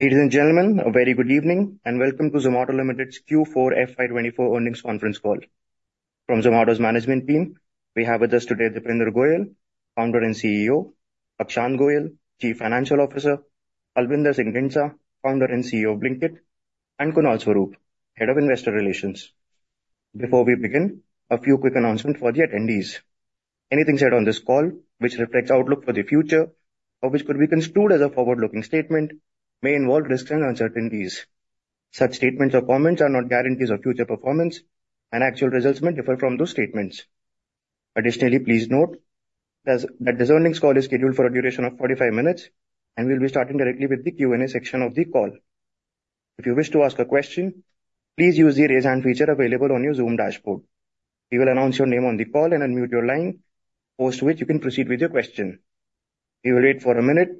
Ladies and gentlemen, a very good evening and welcome to Zomato Limited's Q4 FY24 earnings conference call. From Zomato's management team, we have with us today Deepinder Goyal, Founder and CEO, Akshant Goyal, Chief Financial Officer, Albinder Dhindsa, Founder and CEO of Blinkit, and Kunal Swarup, Head of Investor Relations. Before we begin, a few quick announcements for the attendees. Anything said on this call which reflects outlook for the future or which could be construed as a forward-looking statement may involve risks and uncertainties. Such statements or comments are not guarantees of future performance, and actual results may differ from those statements. Additionally, please note that this earnings call is scheduled for a duration of 45 minutes, and we'll be starting directly with the Q&A section of the call. If you wish to ask a question, please use the raise hand feature available on your Zoom dashboard. We will announce your name on the call and unmute your line, post which you can proceed with your question. We will wait for a minute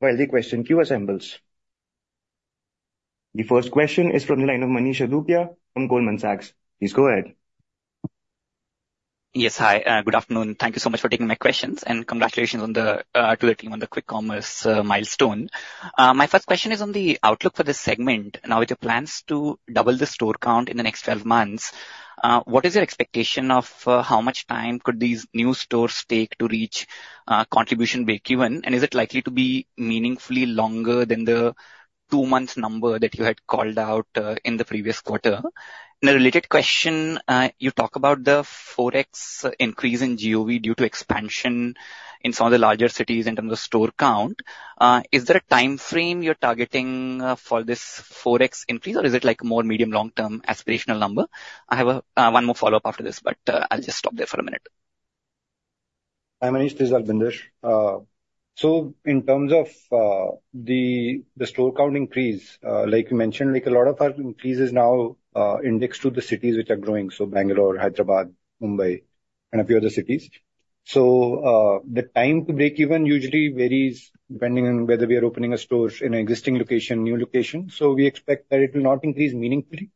while the question queue assembles. The first question is from the line of Manish Adukia from Goldman Sachs. Please go ahead. Yes, hi. Good afternoon. Thank you so much for taking my questions, and congratulations to the team on the quick commerce milestone. My first question is on the outlook for this segment. Now, with your plans to double the store count in the next 12 months, what is your expectation of how much time could these new stores take to reach contribution break-even, and is it likely to be meaningfully longer than the two-month number that you had called out in the previous quarter? In a related question, you talk about the 4x increase in GOV due to expansion in some of the larger cities in terms of store count. Is there a time frame you're targeting for this 4x increase, or is it more medium-long-term aspirational number? I have one more follow-up after this, but I'll just stop there for a minute Hi, Manish. This is Albinder. So, in terms of the store count increase, like you mentioned, a lot of our increases now index to the cities which are growing, so Bangalore, Hyderabad, Mumbai, and a few other cities. So, the time to break-even usually varies depending on whether we are opening a store in an existing location, new location. So, we expect that it will not increase meaningfully,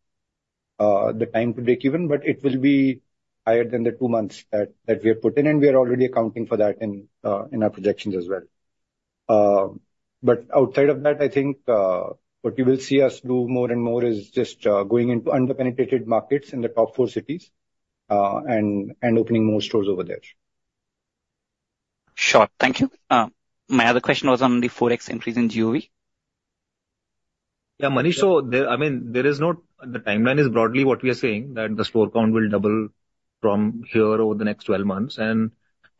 the time to break-even, but it will be higher than the two months that we are put in, and we are already accounting for that in our projections as well. But outside of that, I think what you will see us do more and more is just going into under-penetrated markets in the top four cities and opening more stores over there. Sure. Thank you. My other question was on the 4x increase in GOV. Yeah, Manish, so I mean, there is no, the timeline is broadly what we are saying, that the store count will double from here over the next 12 months.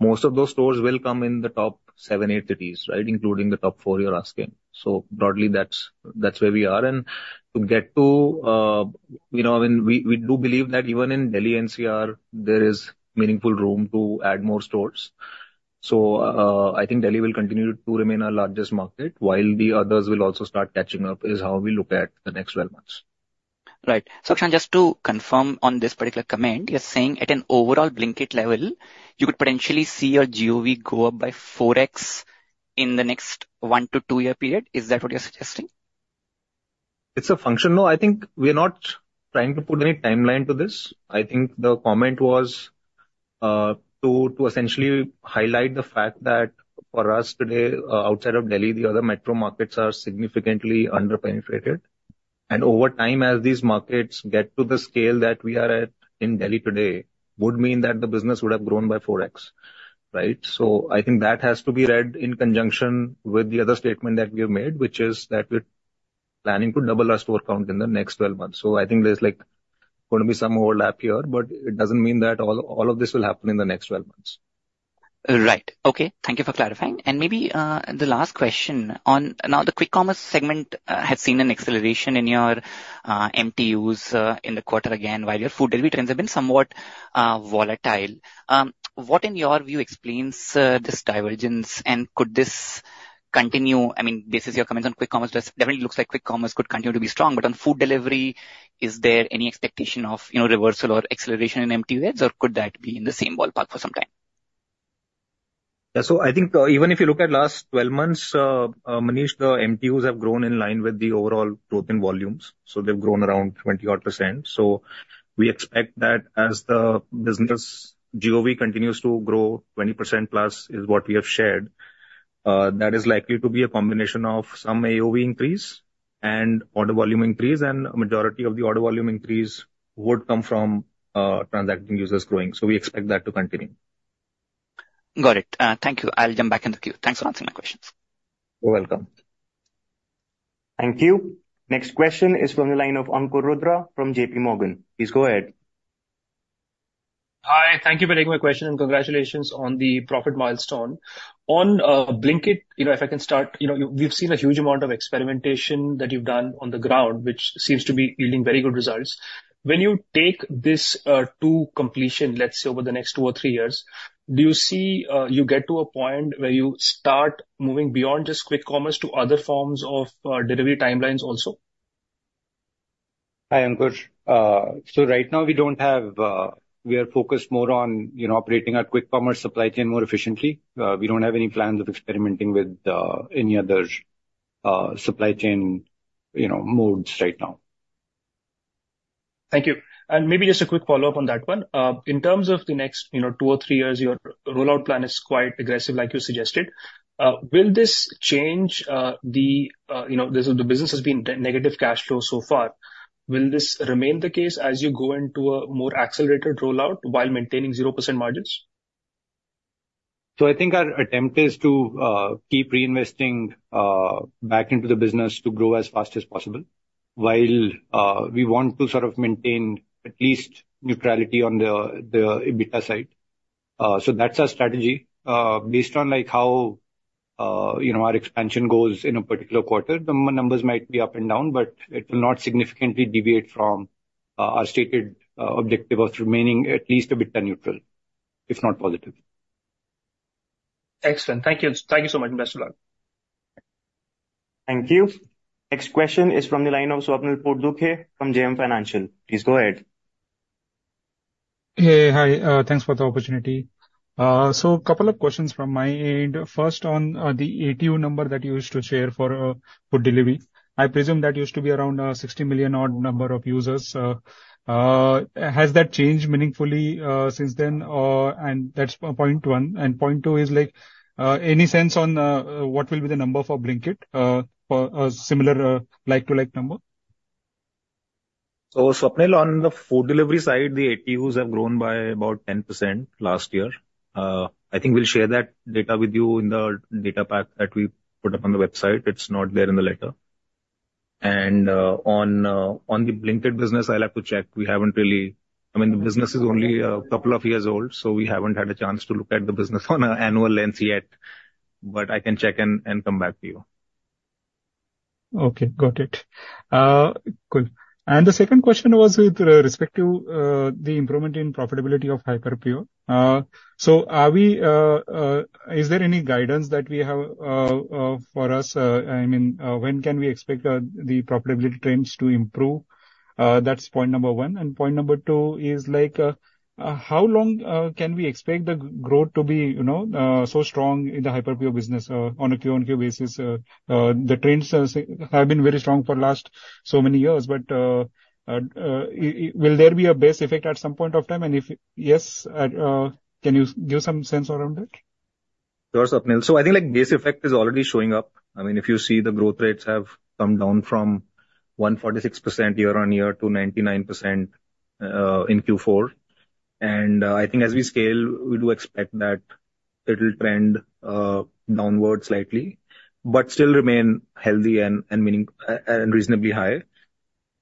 Most of those stores will come in the top 7-8 cities, right, including the top four you're asking. So, broadly, that's where we are. To get to, I mean, we do believe that even in Delhi and NCR, there is meaningful room to ad more stores. So, I think Delhi will continue to remain our largest market, while the others will also start catching up is how we look at the next 12 months. Right. So, Akshant, just to confirm on this particular comment, you're saying at an overall Blinkit level, you could potentially see your GOV go up by 4x in the next 1-2-year period. Is that what you're suggesting? It's a functional. No, I think we are not trying to put any timeline to this. I think the comment was to essentially highlight the fact that for us today, outside of Delhi, the other metro markets are significantly under-penetrated. Over time, as these markets get to the scale that we are at in Delhi today, would mean that the business would have grown by 4x, right? So, I think that has to be read in conjunction with the other statement that we have made, which is that we're planning to double our store count in the next 12 months. So, I think there's going to be some overlap here, but it doesn't mean that all of this will happen in the next 12 months. Right. Okay. Thank you for clarifying. Maybe the last question. Now, the quick commerce segment has seen an acceleration in your MTUs in the quarter again, while your food delivery trends have been somewhat volatile. What, in your view, explains this divergence, and could this continue? I mean, based on your comments on quick commerce, it definitely looks like quick commerce could continue to be strong, but on food delivery, is there any expectation of reversal or acceleration in MTU heads, or could that be in the same ballpark for some time? Yeah, so I think even if you look at last 12 months, Manish, the MTUs have grown in line with the overall growth in volumes. So, they've grown around 20%. So, we expect that as the business GOV continues to grow 20%+ is what we have shared, that is likely to be a combination of some AOV increase and order volume increase and a majority of the order volume increase would come from transacting users growing. So, we expect that to continue. Got it. Thank you. I'll jump back in the queue. Thanks for answering my questions. You're welcome. Thank you. Next question is from the line of Ankur Rudra from J.P. Morgan. Please go ahead. Hi. Thank you for taking my question, and congratulations on the profit milestone. On Blinkit, if I can start, we've seen a huge amount of experimentation that you've done on the ground, which seems to be yielding very good results. When you take this to completion, let's say over the next two or three years, do you see you get to a point where you start moving beyond just quick commerce to other forms of delivery timelines also? Hi, Ankur. So right now, we are focused more on operating our quick commerce supply chain more efficiently. We don't have any plans of experimenting with any other supply chain modes right now. Thank you. Maybe just a quick follow-up on that one. In terms of the next two or three years, your rollout plan is quite aggressive, like you suggested. Will this change the business has been negative cash flow so far? Will this remain the case as you go into a more accelerated rollout while maintaining 0% margins? I think our attempt is to keep reinvesting back into the business to grow as fast as possible, while we want to sort of maintain at least neutrality on the EBITDA side. That's our strategy. Based on how our expansion goes in a particular quarter, the numbers might be up and down, but it will not significantly deviate from our stated objective of remaining at least EBITDA neutral, if not positive. Excellent. Thank you. Thank you so much. Thank you. Next question is from the line of Swapnil Potdukhe from JM Financial. Please go ahead. Hey, hi. Thanks for the opportunity. So, a couple of questions from my end. First, on the ATU number that you used to share for food delivery, I presume that used to be around a 60 million-odd number of users. Has that changed meaningfully since then? That's point one. Point two is, any sense on what will be the number for Blinkit for a similar like-to-like number? So, Swapnil, on the food delivery side, the ATUs have grown by about 10% last year. I think we'll share that data with you in the data pack that we put up on the website. It's not there in the letter. On the Blinkit business, I'll have to check. We haven't really, I mean, the business is only a couple of years old, so we haven't had a chance to look at the business on an annual lens yet. But I can check and come back to you. Okay. Got it. Cool. The second question was with respect to the improvement in profitability of Hyperpure. So, is there any guidance that we have for us? I mean, when can we expect the profitability trends to improve? That's point number one. Point number two is, how long can we expect the growth to be so strong in the Hyperpure business on a Q on Q basis? The trends have been very strong for the last so many years. But will there be a base effect at some point of time? If yes, can you give some sense around it? Sure, Swapnil. So, I think base effect is already showing up. I mean, if you see the growth rates have come down from 146% year-on-year to 99% in Q4. I think as we scale, we do expect that it'll trend downward slightly, but still remain healthy and reasonably high.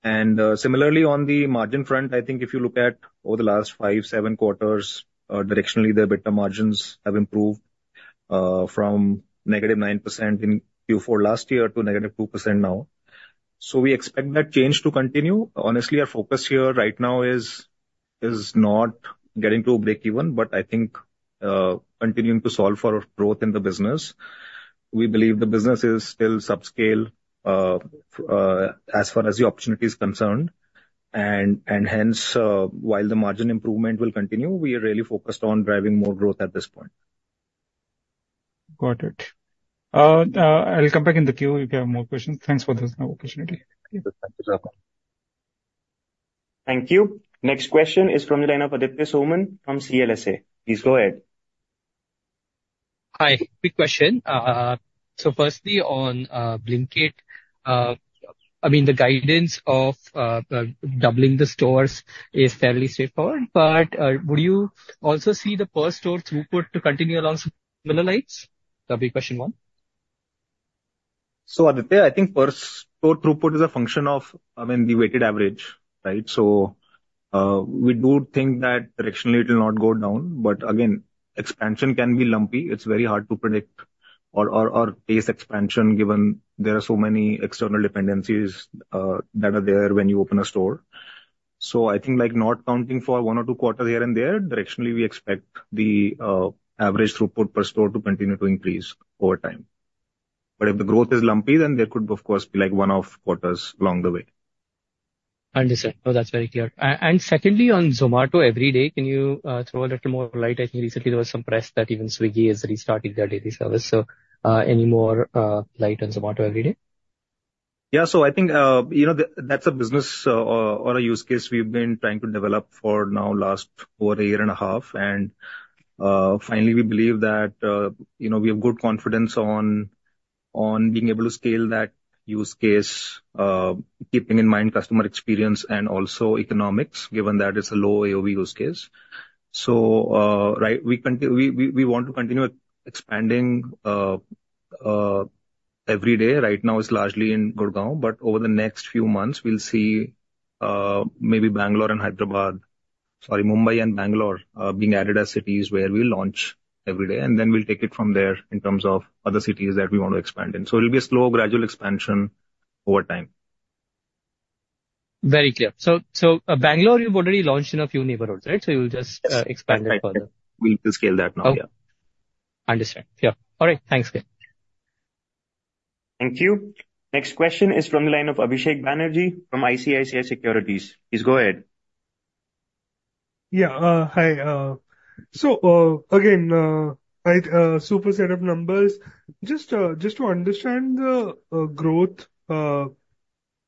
Similarly, on the margin front, I think if you look at over the last five, seven quarters, directionally, the better margins have improved from -9% in Q4 last year to -2% now. So, we expect that change to continue. Honestly, our focus here right now is not getting to a break-even, but I think continuing to solve for growth in the business. We believe the business is still subscale as far as the opportunity is concerned. Hence, while the margin improvement will continue, we are really focused on driving more growth at this point. Got it. I'll come back in the queue if you have more questions. Thanks for this opportunity. Thank you so much. Thank you. Next question is from the line of Aditya Soman from CLSA. Please go ahead. Hi. Quick question. Firstly, on Blinkit, I mean, the guidance of doubling the stores is fairly straightforward. But would you also see the per-store throughput to continue along similar lines? That'd be question one. So, Aditya, I think per-store throughput is a function of, I mean, the weighted average, right? So, we do think that directionally, it'll not go down, but again, expansion can be lumpy. It's very hard to predict or pace expansion given there are so many external dependencies that are there when you open a store. So, I think not counting for one or two quarters here and there, directionally, we expect the average throughput per store to continue to increase over time. But if the growth is lumpy, then there could, of course, be one-off quarters along the way. Understood. No, that's very clear. Secondly, on Zomato Everyday, can you throw a little more light? I think recently, there was some press that even Swiggy has restarted their daily service. Any more light on Zomato Everyday? Yeah, so I think that's a business or a use case we've been trying to develop for now over a year and a half. Finally, we believe that we have good confidence on being able to scale that use case, keeping in mind customer experience and also economics, given that it's a low AOV use case. So, right, we want to continue expanding every day. Right now, it's largely in Gurgaon but over the next few months, we'll see maybe Bangalore and Hyderabad sorry, Mumbai and Bangalore being added as cities where we'll launch every day. Then we'll take it from there in terms of other cities that we want to expand in. So, it'll be a slow, gradual expansion over time. Very clear. So, Bangalore, you've already launched in a few neighborhoods, right? So, you'll just expand it further. We'll scale that now, yeah. Understood. Yeah. All right. Thanks. Thank you. Next question is from the line of Abhishek Banerjee from ICICI Securities. Please go ahead. Yeah. Hi. So, again, super set of numbers. Just to understand the growth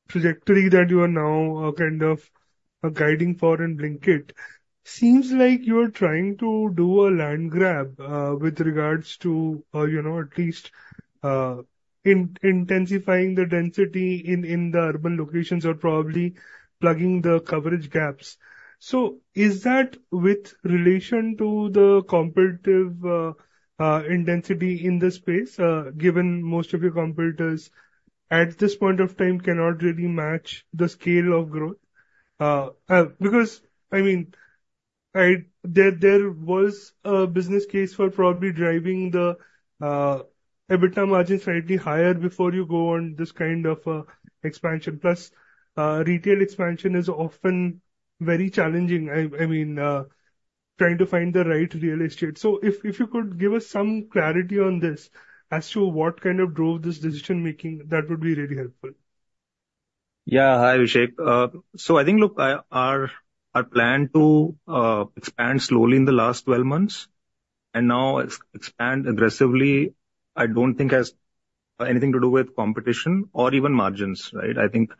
trajectory that you are now kind of guiding for in Blinkit, seems like you are trying to do a land grab with regards to at least intensifying the density in the urban locations or probably plugging the coverage gaps. So, is that with relation to the competitive intensity in the space, given most of your competitors at this point of time cannot really match the scale of growth because, I mean, there was a business case for probably driving the EBITDA margins slightly higher before you go on this kind of expansion? Plus, retail expansion is often very challenging, I mean, trying to find the right real estate. So, if you could give us some clarity on this as to what kind of drove this decision-making, that would be really helpful. Yeah. Hi, Abhishek. So, I think, look, our plan to expand slowly in the last 12 months and now expand aggressively, I don't think has anything to do with competition or even margins, right? I think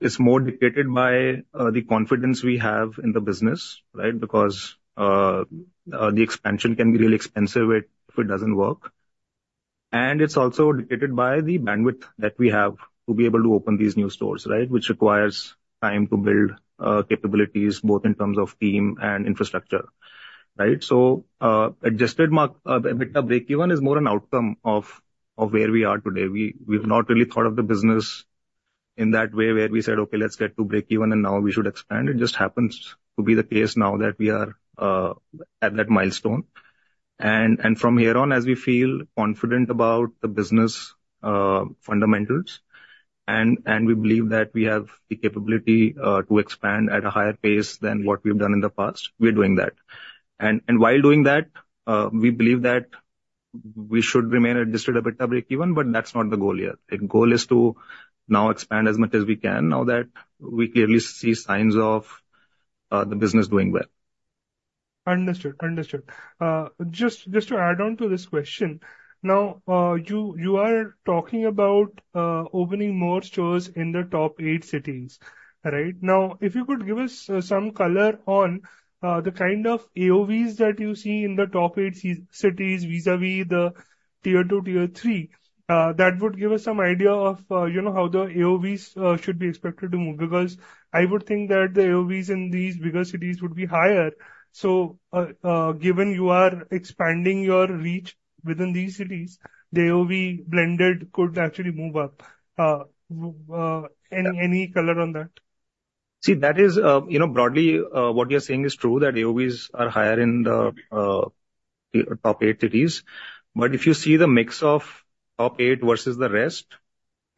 it's more dictated by the confidence we have in the business, right, because the expansion can be really expensive if it doesn't work. It's also dictated by the bandwidth that we have to be able to open these new stores, right, which requires time to build capabilities both in terms of team and infrastructure, right? So, Adjusted EBITDA break-even is more an outcome of where we are today. We've not really thought of the business in that way where we said, "Okay, let's get to break-even, and now we should expand." It just happens to be the case now that we are at that milestone. From here on, as we feel confident about the business fundamentals and we believe that we have the capability to expand at a higher pace than what we've done in the past, we're doing that. While doing that, we believe that we should remain Adjusted EBITDA break-even, but that's not the goal yet. The goal is to now expand as much as we can now that we clearly see signs of the business doing well. Understood. Understood. Just to add on to this question, now, you are talking about opening more stores in the top eight cities, right? Now, if you could give us some color on the kind of AOVs that you see in the top eight cities vis-à-vis the tier two, tier three. That would give us some idea of how the AOVs should be expected to move because I would think that the AOVs in these bigger cities would be higher. So, given you are expanding your reach within these cities, the AOV blended could actually move up. Any color on that? See, broadly, what you're saying is true, that AOVs are higher in the top eight cities, but if you see the mix of top eight versus the rest,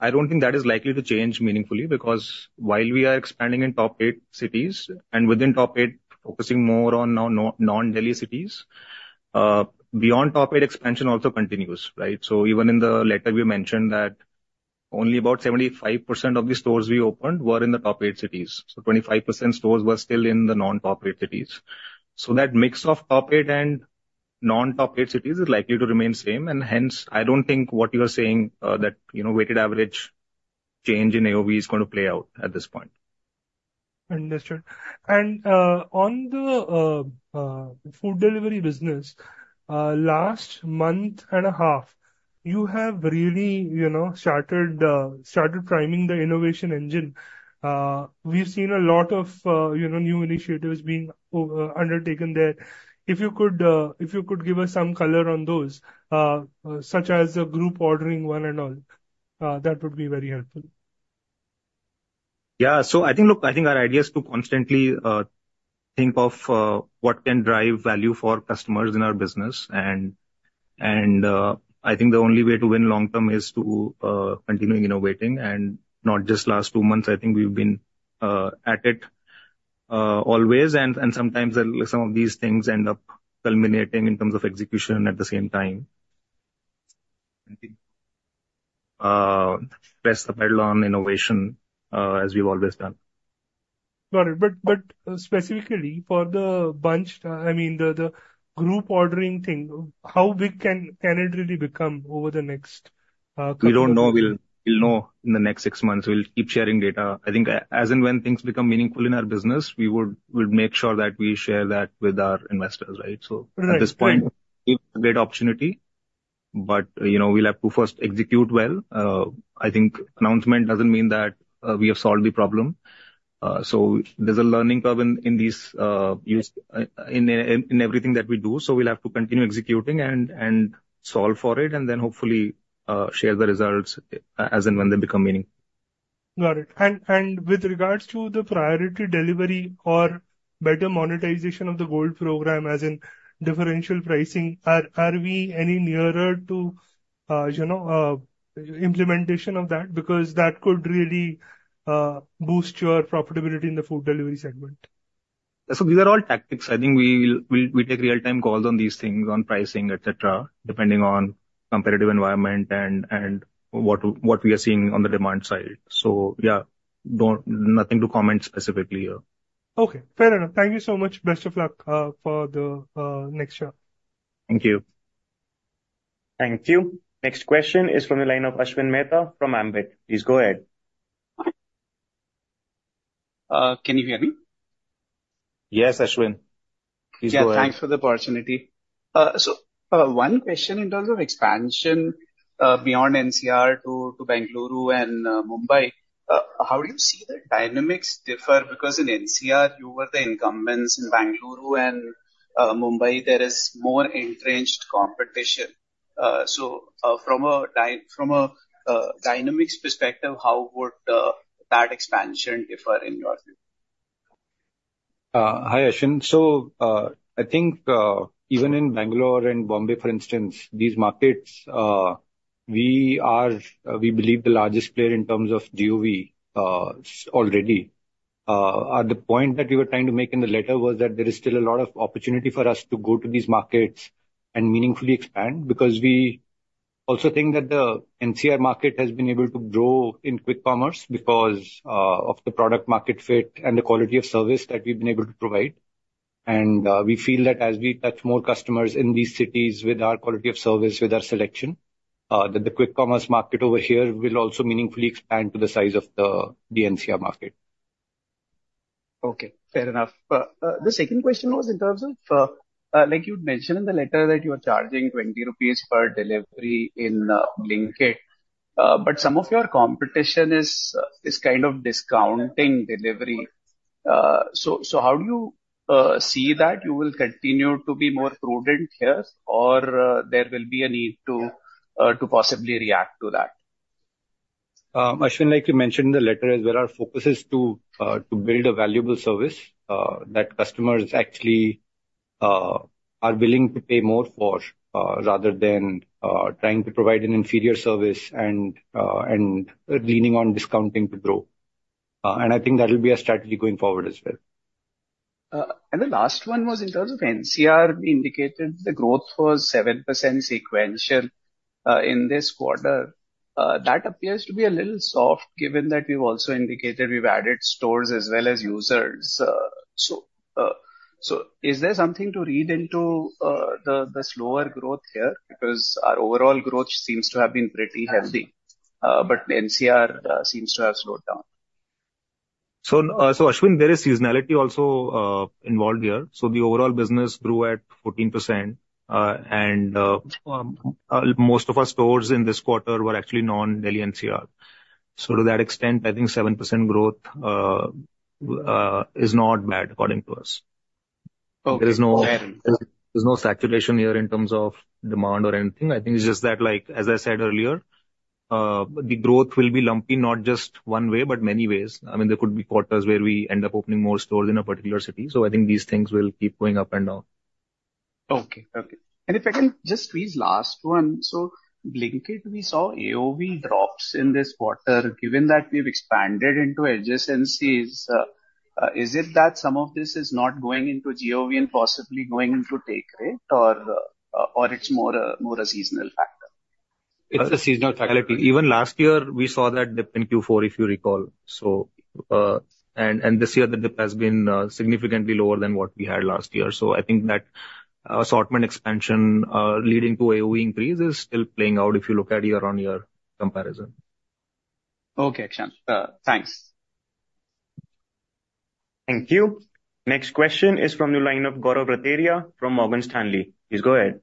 I don't think that is likely to change meaningfully because while we are expanding in top eight cities and within top eight, focusing more on non-Delhi cities, beyond top eight, expansion also continues, right? So, even in the letter, we mentioned that only about 75% of the stores we opened were in the top eight cities. So, 25% stores were still in the non-top eight cities. So, that mix of top eight and non-top eight cities is likely to remain same. Hence, I don't think what you are saying, that weighted average change in AOV is going to play out at this point. Understood. On the food delivery business, last month and a half, you have really started priming the innovation engine. We've seen a lot of new initiatives being undertaken there. If you could give us some color on those, such as a group ordering one and all, that would be very helpful. Yeah. So, I think, look, I think our idea is to constantly think of what can drive value for customers in our business and I think the only way to win long-term is to continue innovating. Not just last two months, I think we've been at it always. Sometimes, some of these things end up culminating in terms of execution at the same time. Press the pedal on innovation as we've always done. Got it. But specifically, for the bunch I mean, the group ordering thing, how big can it really become over the next couple of years? We don't know. We'll know in the next six months. We'll keep sharing data. I think as and when things become meaningful in our business, we would make sure that we share that with our investors, right? So, at this point, we have a great opportunity, but we'll have to first execute well. I think announcement doesn't mean that we have solved the problem. So, there's a learning curve in everything that we do. So, we'll have to continue executing and solve for it, and then hopefully share the results as and when they become meaningful. Got it. With regards to the priority delivery or better monetization of the gold program, as in differential pricing, are we any nearer to implementation of that because that could really boost your profitability in the food delivery segment? These are all tactics. I think we take real-time calls on these things, on pricing, etc., depending on the competitive environment and what we are seeing on the demand side. Yeah, nothing to comment specifically here. Okay. Fair enough. Thank you so much. Best of luck for the next share. Thank you. Thank you. Next question is from the line of Ashwin Mehta from Ambit. Please go ahead. Can you hear me? Yes, Ashwin. Please go ahead. Yeah. Thanks for the opportunity. So, one question in terms of expansion beyond NCR to Bengaluru and Mumbai. How do you see the dynamics differ because in NCR, you were the incumbents? In Bengaluru and Mumbai, there is more entrenched competition. So, from a dynamics perspective, how would that expansion differ in your view? Hi, Ashwin. So, I think even in Bengaluru and Bombay, for instance, these markets, we believe the largest player in terms of GOV already. The point that we were trying to make in the letter was that there is still a lot of opportunity for us to go to these markets and meaningfully expand because we also think that the NCR market has been able to grow in quick commerce because of the product market fit and the quality of service that we've been able to provide. We feel that as we touch more customers in these cities with our quality of service, with our selection, that the quick commerce market over here will also meaningfully expand to the size of the NCR market. Okay. Fair enough. The second question was in terms of, like you'd mentioned in the letter, that you are charging 20 rupees per delivery in Blinkit. But some of your competition is kind of discounting delivery. So, how do you see that? You will continue to be more prudent here, or there will be a need to possibly react to that? Ashwin, like you mentioned in the letter as well, our focus is to build a valuable service that customers actually are willing to pay more for rather than trying to provide an inferior service and leaning on discounting to grow. I think that'll be a strategy going forward as well. The last one was in terms of NCR. We indicated the growth was 7% sequential in this quarter. That appears to be a little soft given that we've also indicated we've added stores as well as users. So, is there something to read into the slower growth here because our overall growth seems to have been pretty healthy, but NCR seems to have slowed down. So, Ashwin, there is seasonality also involved here. So, the overall business grew at 14% and most of our stores in this quarter were actually non-Delhi NCR. So, to that extent, I think 7% growth is not bad according to us. There is no saturation here in terms of demand or anything. I think it's just that, as I said earlier, the growth will be lumpy, not just one way, but many ways. I mean, there could be quarters where we end up opening more stores in a particular city. So, I think these things will keep going up and down. Okay. Okay. If I can just squeeze last one. So, Blinkit, we saw AOV drops in this quarter. Given that we've expanded into adjacencies, is it that some of this is not going into GOV and possibly going into take rate, or it's more a seasonal factor? It's a seasonal factor. Even last year, we saw that dip in Q4, if you recall. This year, the dip has been significantly lower than what we had last year. So, I think that assortment expansion leading to AOV increase is still playing out if you look at year-on-year comparison. Okay, Akshant. Thanks. Thank you. Next question is from the line of Gaurav Rateria from Morgan Stanley. Please go ahead.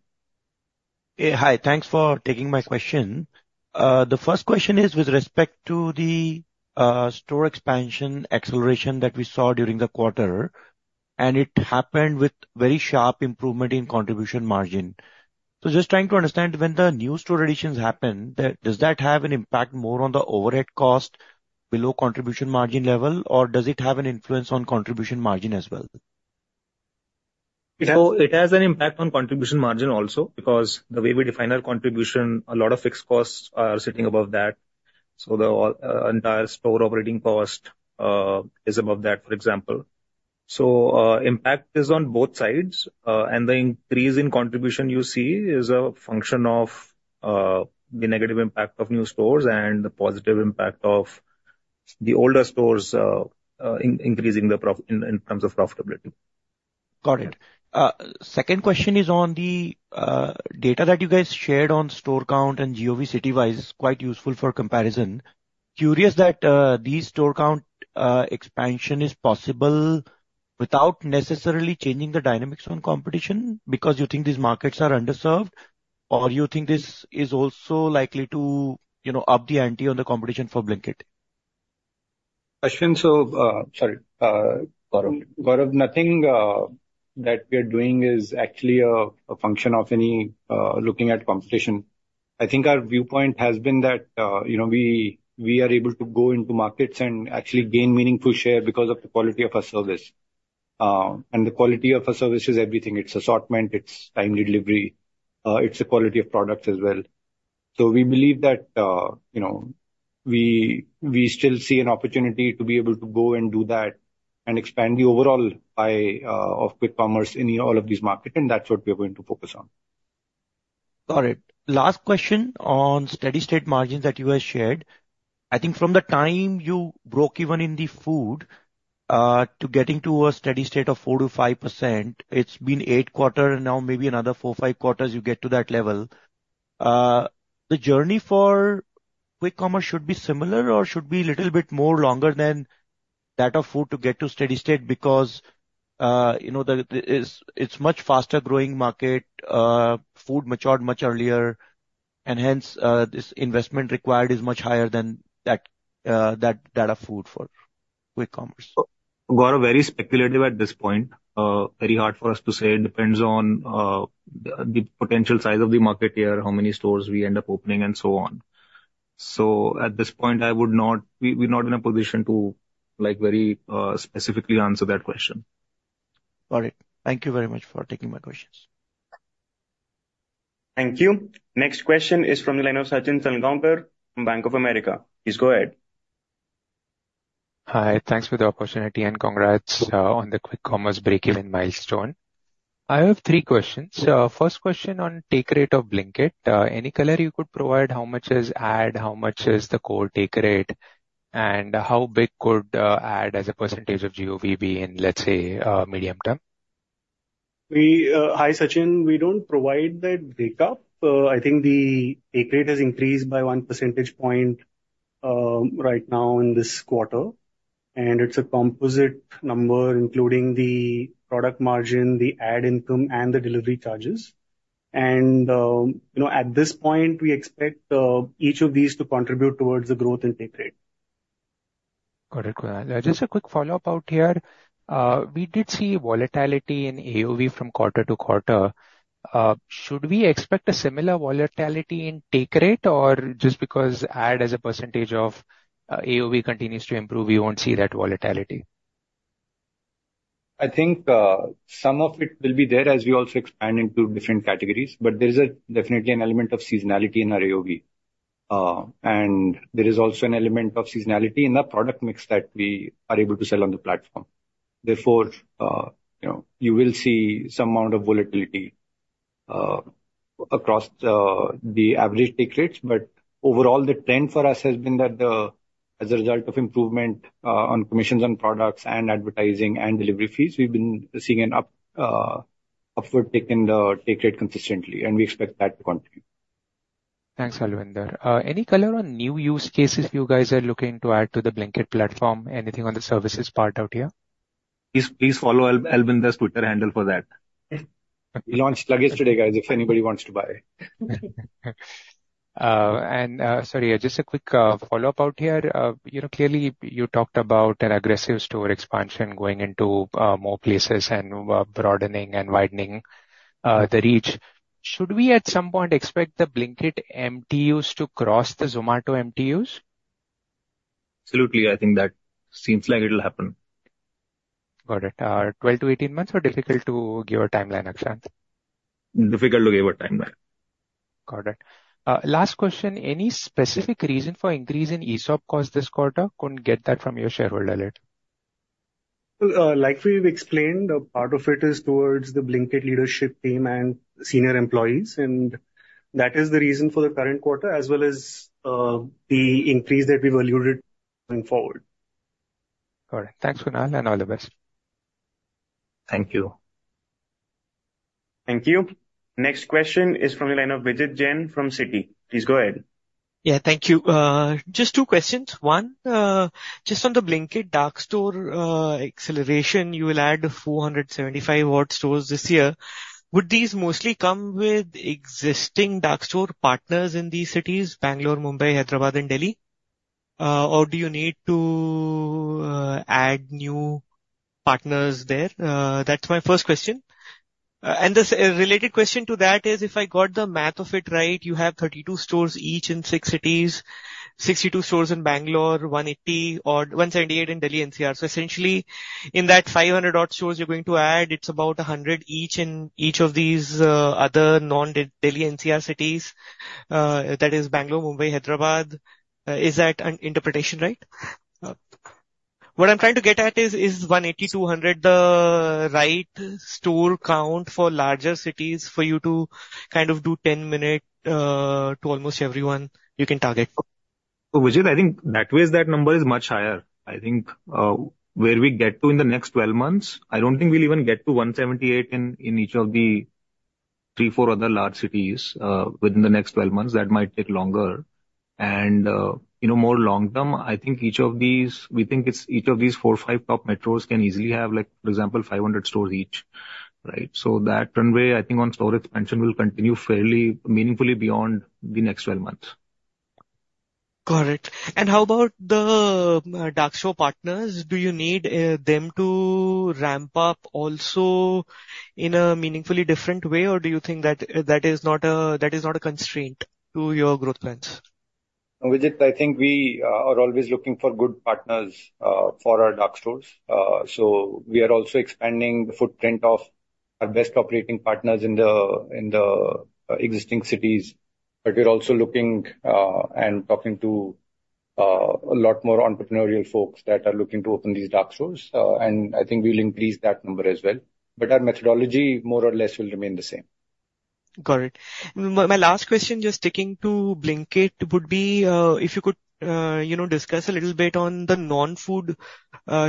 Hi. Thanks for taking my question. The first question is with respect to the store expansion acceleration that we saw during the quarter and it happened with very sharp improvement in contribution margin. So, just trying to understand, when the new store additions happen, does that have an impact more on the overhead cost below contribution margin level, or does it have an influence on contribution margin as well? So, it has an impact on contribution margin also because the way we define our contribution, a lot of fixed costs are sitting above that. So, the entire store operating cost is above that, for example. So, impact is on both sides and the increase in contribution you see is a function of the negative impact of new stores and the positive impact of the older stores increasing in terms of profitability. Got it. Second question is on the data that you guys shared on store count and GOV city-wise. It's quite useful for comparison. Curious that this store count expansion is possible without necessarily changing the dynamics on competition because you think these markets are underserved, or you think this is also likely to up the ante on the competition for Blinkit? Ashwin, so sorry, Gaurav. Gaurav, nothing that we are doing is actually a function of looking at competition. I think our viewpoint has been that we are able to go into markets and actually gain meaningful share because of the quality of our service. The quality of our service is everything. It's assortment. It's timely delivery. It's the quality of products as well. So, we believe that we still see an opportunity to be able to go and do that and expand the overall pie of quick commerce in all of these markets and that's what we are going to focus on. Got it. Last question on steady state margins that you have shared. I think from the time you broke even in the food to getting to a steady state of 4%-5%, it's been eight quarters, and now maybe another 4-5 quarters you get to that level. The journey for quick commerce should be similar, or should be a little bit longer than that of food to get to steady state because it's a much faster-growing market, food matured much earlier, and hence, this investment required is much higher than that of food for quick commerce. Gaurav, very speculative at this point. Very hard for us to say. It depends on the potential size of the market here, how many stores we end up opening, and so on. So, at this point, we're not in a position to very specifically answer that question. Got it. Thank you very much for taking my questions. Thank you. Next question is from the line of Sachin Salgaonkar from Bank of America. Please go ahead. Hi. Thanks for the opportunity, and congrats on the quick commerce break-even milestone. I have three questions. First question on take rate of Blinkit. Any color you could provide: how much is add, how much is the core take rate, and how big could add as a percentage of GOV be in, let's say, medium term? Hi, Sachin. We don't provide that breakup. I think the take rate has increased by one percentage point right now in this quarter. It's a composite number, including the product margin, the ad income, and the delivery charges. At this point, we expect each of these to contribute towards the growth in take rate. Got it. Just a quick follow-up out here. We did see volatility in AOV from quarter-to-quarter. Should we expect a similar volatility in take rate, or just because ad as a percentage of AOV continues to improve, we won't see that volatility? I think some of it will be there as we also expand into different categorie, but there is definitely an element of seasonality in our AOV. And there is also an element of seasonality in the product mix that we are able to sell on the platform. Therefore, you will see some amount of volatility across the average take rates but overall, the trend for us has been that as a result of improvement on commissions on products and advertising and delivery fees, we've been seeing an upward tick in the take rate consistently and we expect that to continue. Thanks, Albinder. Any color on new use cases you guys are looking to add to the Blinkit platform? Anything on the services part out here? Please follow Albinder's Twitter handle for that. We launched luggage today, guys, if anybody wants to buy. Sorry, just a quick follow-up out here. Clearly, you talked about an aggressive store expansion going into more places and broadening and widening the reach. Should we at some point expect the Blinkit MTUs to cross the Zomato MTUs? Absolutely. I think that seems like it'll happen. Got it. 12-18 months or difficult to give a timeline, Akshant? Difficult to give a timeline. Got it. Last question. Any specific reason for increase in ESOP cost this quarter? Couldn't get that from your shareholder letter. Like we've explained, part of it is towards the Blinkit leadership team and senior employees. That is the reason for the current quarter as well as the increase that we've alluded to going forward. Got it. Thanks, Kunal. All the best. Thank you. Thank you. Next question is from the line of Vijit Jain from Citi. Please go ahead. Yeah. Thank you. Just two questions. One, just on the Blinkit dark store acceleration, you will ad 475 new stores this year. Would these mostly come with existing dark store partners in these cities: Bengaluru, Mumbai, Hyderabad, and Delhi or do you need to ad new partners there? That's my first question. The related question to that is, if I got the math of it right, you have 32 stores each in six cities: 62 stores in Bengaluru, 178 in Delhi NCR. So essentially, in that 500 new stores you're going to ad, it's about 100 each in each of these other non-Delhi NCR cities. That is Bengaluru, Mumbai, Hyderabad. Is that interpretation right? What I'm trying to get at is, is 180-200 the right store count for larger cities for you to kind of do 10-minute to almost everyone you can target? Vijit, I think that way, that number is much higher. I think where we get to in the next 12 months, I don't think we'll even get to 178 in each of the three, four other large cities within the next 12 months. That might take longer. More long-term, I think each of these we think each of these four, five top metros can easily have, for example, 500 stores each, right? So that runway, I think, on store expansion will continue fairly meaningfully beyond the next 12 months. Got it. How about the dark store partners? Do you need them to ramp up also in a meaningfully different way, or do you think that is not a constraint to your growth plans? Vijit, I think we are always looking for good partners for our dark stores. So we are also expanding the footprint of our best operating partners in the existing cities but we're also looking and talking to a lot more entrepreneurial folks that are looking to open these dark stores. I think we'll increase that number as well. But our methodology, more or less, will remain the same. Got it. My last question, just sticking to Blinkit, would be if you could discuss a little bit on the non-food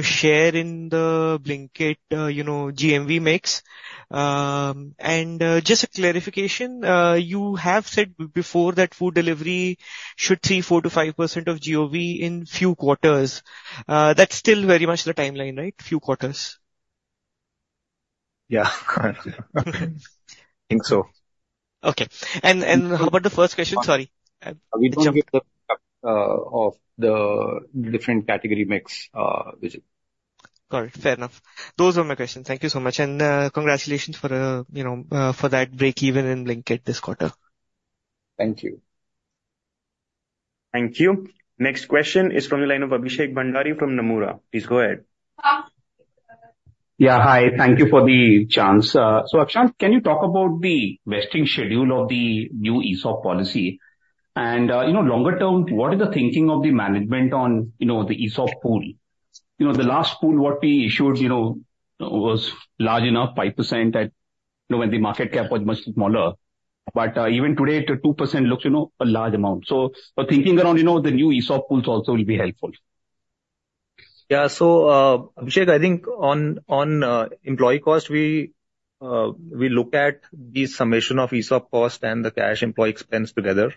share in the Blinkit GMV mix. Just a clarification, you have said before that food delivery should see 4%-5% of GOV in few quarters. That's still very much the timeline, right? Few quarters. Yeah. I think so. Okay. How about the first question? Sorry. We don't give the breakup of the different category mix, Vijit. Got it. Fair enough. Those are my questions. Thank you so much. Congratulations for that break-even in Blinkit this quarter. Thank you. Thank you. Next question is from the line of Abhishek Bhandari from Nomura. Please go ahead. Yeah. Hi. Thank you for the chance. So, Akshant, can you talk about the vesting schedule of the new ESOP policy? Longer term, what is the thinking of the management on the ESOP pool? The last pool what we issued was large enough, 5%, when the market cap was much smaller, but even today, 2% looks a large amount. So thinking around the new ESOP pools also will be helpful. Yeah. So, Abhishek, I think on employee cost, we look at the summation of ESOP cost and the cash employee expense together.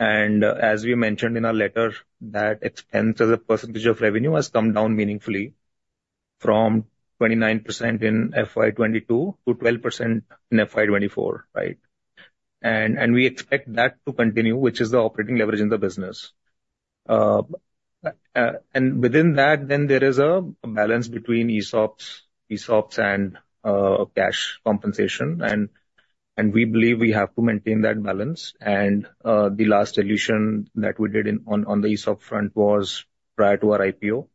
As we mentioned in our letter, that expense as a percentage of revenue has come down meaningfully from 29% in FY22 to 12% in FY24, right? We expect that to continue, which is the operating leverage in the business. Within that, then there is a balance between ESOPs and cash compensation and we believe we have to maintain that balance and the last dilution that we did on the ESOP front was prior to our IPO.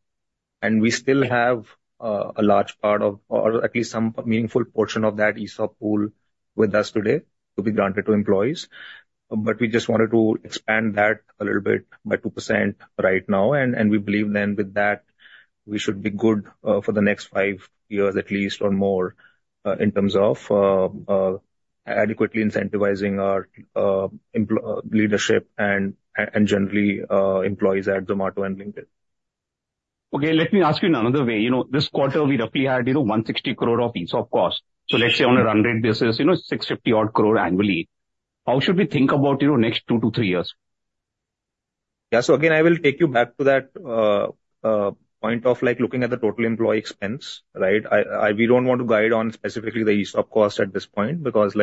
We still have a large part of, or at least some meaningful portion of that ESOP pool with us today to be granted to employees. But we just wanted to expand that a little bit by 2% right now. We believe then with that, we should be good for the next five years at least or more in terms of adequately incentivizing our leadership and generally employees at Zomato and Blinkit. Okay. Let me ask you another way. This quarter, we roughly had 160 crore of ESOP cost. So let's say on a run rate, this is 650-odd crore annually. How should we think about next two to three years? Yeah. So again, I will take you back to that point of looking at the total employee expense, right? We don't want to guide on specifically the ESOP cost at this point because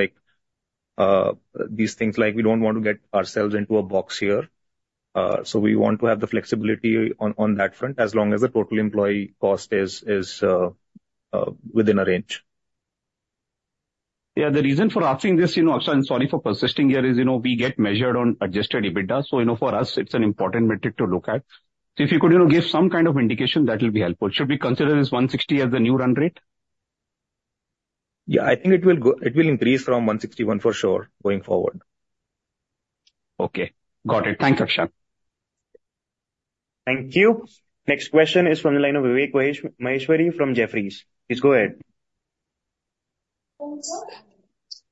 these things, we don't want to get ourselves into a box here. So we want to have the flexibility on that front as long as the total employee cost is within a range. Yeah. The reason for asking this, Akshant, and sorry for persisting here, is we get measured on Adjusted EBITDA. So for us, it's an important metric to look at. So if you could give some kind of indication, that will be helpful. Should we consider this 160 as the new run rate? Yeah. I think it will increase from 161 for sure going forward. Okay. Got it. Thanks, Akshant. Thank you. Next question is from the line of Vivek Maheshwari from Jefferies. Please go ahead.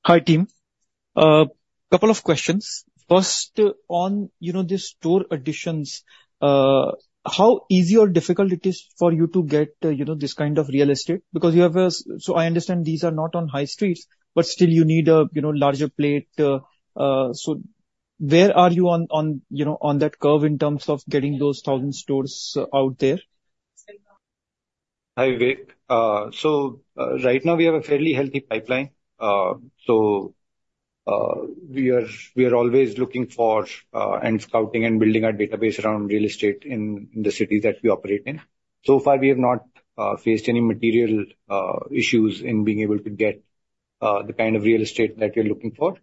Hi, team. A couple of questions. First, on these store additions, how easy or difficult it is for you to get this kind of real estate because you have, so I understand these are not on high streets, but still you need a larger plot? So where are you on that curve in terms of getting those 1,000 stores out there? Hi, Vivek. So right now, we have a fairly healthy pipeline. So we are always looking for and scouting and building our database around real estate in the cities that we operate in. So far, we have not faced any material issues in being able to get the kind of real estate that we're looking for.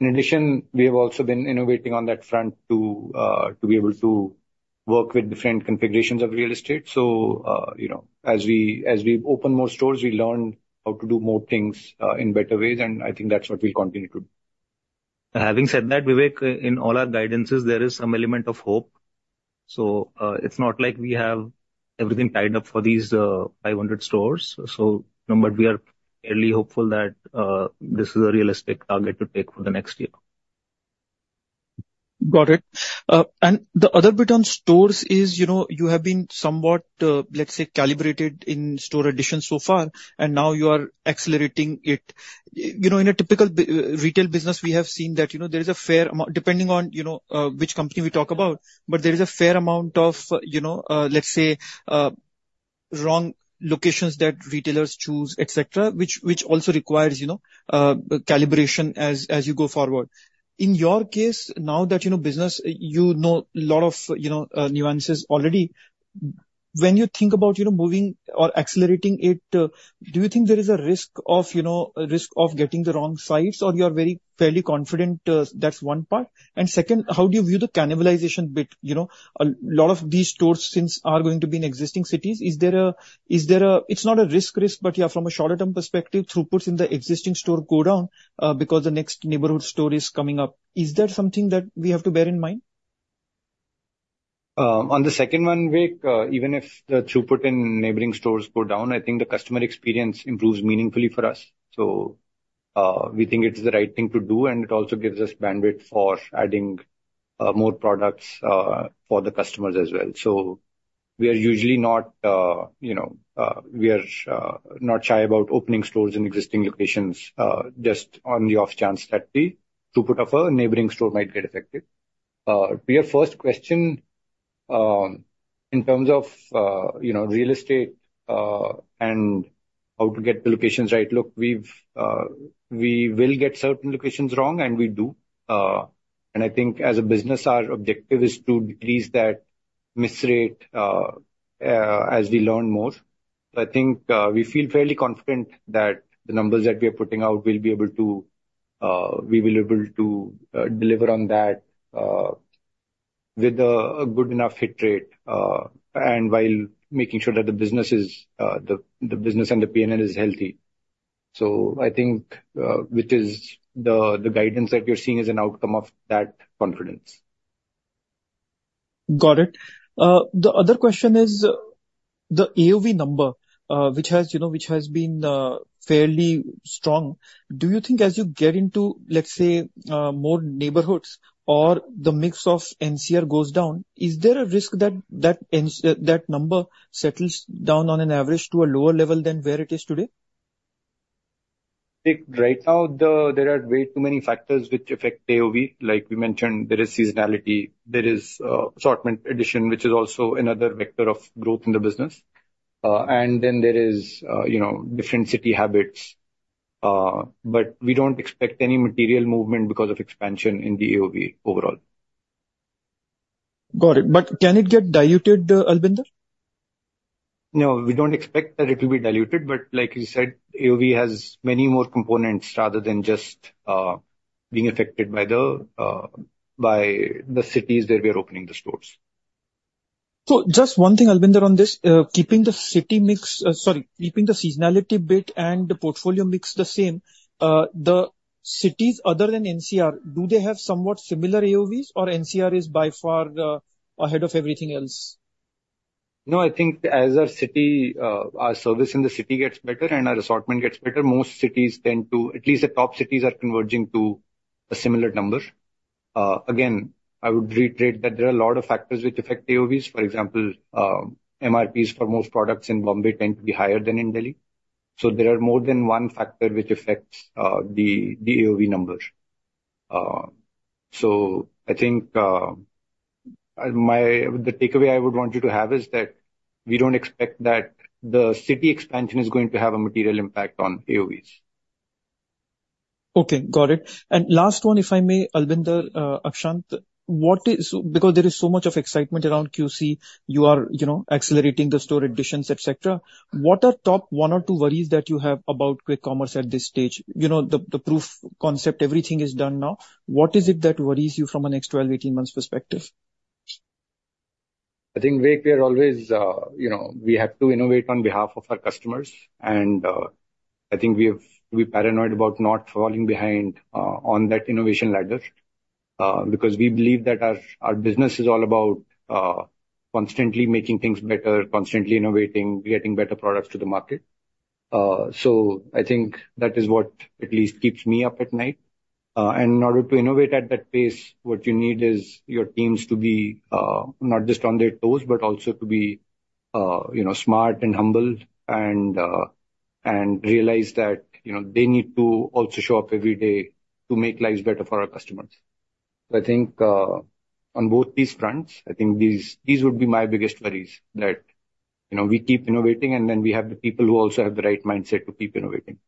In addition, we have also been innovating on that front to be able to work with different configurations of real estate. So as we open more stores, we learn how to do more things in better ways and I think that's what we'll continue to do. Having said that, Vivek, in all our guidances, there is some element of hope. So it's not like we have everything tied up for these 500 stores, but we are fairly hopeful that this is a realistic target to take for the next year. Got it. The other bit on stores is you have been somewhat, let's say, calibrated in store additions so far and now you are accelerating it. In a typical retail business, we have seen that there is a fair amount depending on which company we talk about. But there is a fair amount of, let's say, wrong locations that retailers choose, etc., which also requires calibration as you go forward. In your case, now that you know business, you know a lot of nuances already. When you think about moving or accelerating it, do you think there is a risk of getting the wrong sites or you are fairly confident, that's one part. Second, how do you view the cannibalization bit? A lot of these stores, since are going to be in existing cities, is there a- it's not a risk-risk, but yeah, from a shorter-term perspective, throughputs in the existing store go down because the next neighborhood store is coming up. Is that something that we have to bear in mind? On the second one, Vivek, even if the throughput in neighboring stores go down, I think the customer experience improves meaningfully for us. So we think it's the right thing to do and it also gives us bandwidth for adding more products for the customers as well. So we are usually not shy about opening stores in existing locations just on the off chance that the throughput of a neighboring store might get affected. Vivek, first question, in terms of real estate and how to get the locations right, look, we will get certain locations wrong and we do. I think as a business, our objective is to decrease that miss rate as we learn more. So I think we feel fairly confident that the numbers that we are putting out will be able to deliver on that with a good enough hit rate and while making sure that the business and the P&L is healthy. So I think which is the guidance that you're seeing is an outcome of that confidence. Got it. The other question is the AOV number, which has been fairly strong. Do you think as you get into, let's say, more neighborhoods or the mix of NCR goes down, is there a risk that number settles down on an average to a lower level than where it is today? Right now, there are way too many factors which affect AOV. Like we mentioned, there is seasonality. There is assortment addition, which is also another vector of growth in the business. Then there is different city habits. But we don't expect any material movement because of expansion in the AOV overall. Got it. But can it get diluted, Albinder? No. We don't expect that it will be diluted but like you said, AOV has many more components rather than just being affected by the cities where we are opening the stores. Just one thing, Albinder, on this: keeping the city mix sorry, keeping the seasonality bit and the portfolio mix the same, the cities other than NCR, do they have somewhat similar AOVs or NCR is by far ahead of everything else? No. I think as our service in the city gets better and our assortment gets better, most cities tend to at least the top cities are converging to a similar number. Again, I would reiterate that there are a lot of factors which affect AOVs. For example, MRPs for most products in Mumbai tend to be higher than in Delhi. So there are more than one factor which affects the AOV number. So I think the takeaway I would want you to have is that we don't expect that the city expansion is going to have a material impact on AOVs. Okay. Got it. Last one, if I may, Albinder, Akshant, because there is so much of excitement around QC, you are accelerating the store additions, etc. What are top one or two worries that you have about quick commerce at this stage? The proof of concept, everything is done now. What is it that worries you from a next 12-18 months perspective? I think, Vivek, we always have to innovate on behalf of our customers. I think we're paranoid about not falling behind on that innovation ladder because we believe that our business is all about constantly making things better, constantly innovating, getting better products to the market. I think that is what at least keeps me up at night. In order to innovate at that pace, what you need is your teams to be not just on their toes, but also to be smart and humble and realize that they need to also show up every day to make lives better for our customers. I think on both these fronts, I think these would be my biggest worries, that we keep innovating, and then we have the people who also have the right mindset to keep innovating.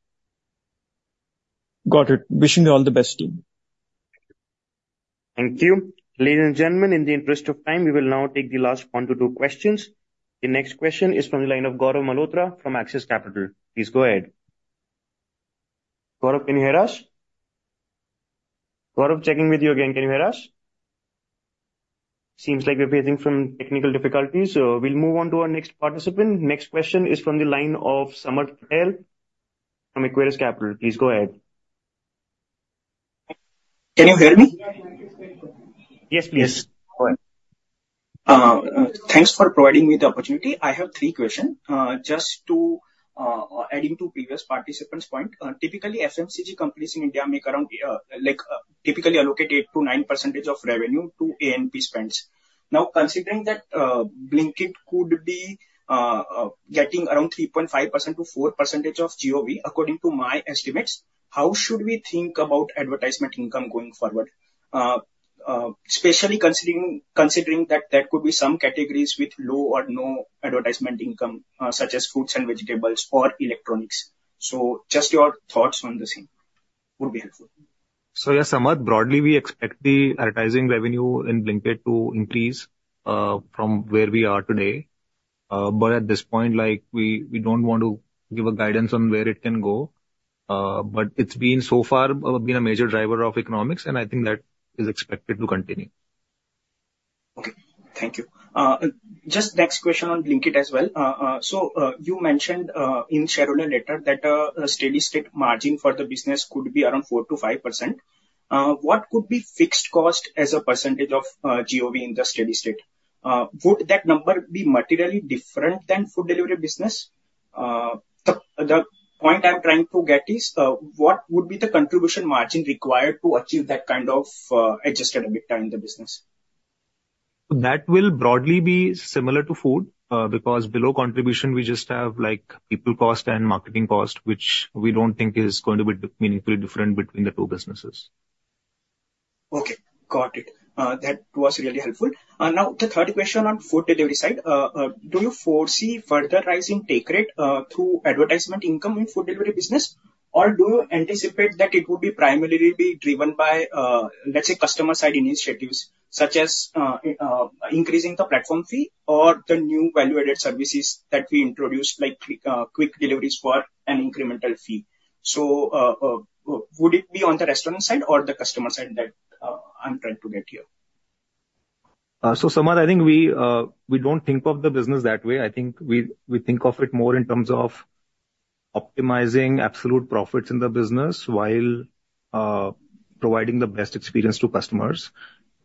Got it. Wishing you all the best, team. Thank you. Ladies and gentlemen, in the interest of time, we will now take the last one to two questions. The next question is from the line of Gaurav Malhotra from Axis Capital. Please go ahead. Gaurav, can you hear us? Gaurav, checking with you again. Can you hear us? Seems like we're facing some technical difficulties. We'll move on to our next participant. Next question is from the line of Samarth Patel from Equirus Capital. Please go ahead. Can you hear me? Yes, please. Yes. Go ahead. Thanks for providing me the opportunity. I have three questions. Just to add into previous participants' point, typically, FMCG companies in India typically allocate 8%-9% of revenue to A&P spends. Now, considering that Blinkit could be getting around 3.5%-4% of GOV, according to my estimates, how should we think about advertisement income going forward, especially considering that there could be some categories with low or no advertisement income such as fruits and vegetables or electronics? So just your thoughts on the scenario would be helpful. So yeah, Samarth, broadly, we expect the advertising revenue in Blinkit to increase from where we are today but at this point, we don't want to give a guidance on where it can go. But it's so far been a major driver of economics and I think that is expected to continue. Okay. Thank you. Just next question on Blinkit as well. So you mentioned in Shareholder Letter that a steady state margin for the business could be around 4%-5%. What could be fixed cost as a percentage of GOV in the steady state? Would that number be materially different than food delivery business? The point I'm trying to get is what would be the contribution margin required to achieve that kind of Adjusted EBITDA in the business? That will broadly be similar to food because below contribution, we just have people cost and marketing cost, which we don't think is going to be meaningfully different between the two businesses. Okay. Got it. That was really helpful. Now, the third question on food delivery side, do you foresee further rising take rate through advertisement income in food delivery business or do you anticipate that it would primarily be driven by, let's say, customer-side initiatives such as increasing the platform fee or the new value-added services that we introduced, like quick deliveries for an incremental fee? So would it be on the restaurant side or the customer side that I'm trying to get here? So Samarth, I think we don't think of the business that way. I think we think of it more in terms of optimizing absolute profits in the business while providing the best experience to customers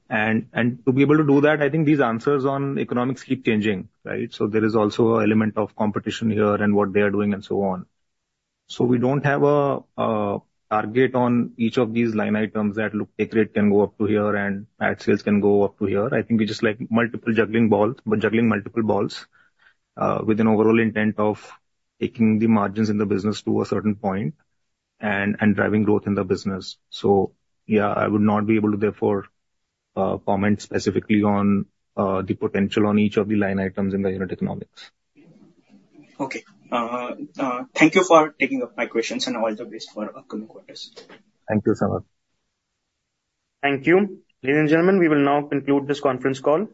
and to be able to do that, I think these answers on economics keep changing, right? So there is also an element of competition here and what they are doing and so on. So we don't have a target on each of these line items that take rate can go up to here and ad sales can go up to here. I think we just like multiple juggling balls with an overall intent of taking the margins in the business to a certain point and driving growth in the business. So yeah, I would not be able to, therefore, comment specifically on the potential on each of the line items in the unit economics. Okay. Thank you for taking up my questions. All the best for upcoming quarters. Thank you, Samarth. Thank you. Ladies and gentlemen, we will now conclude this conference call.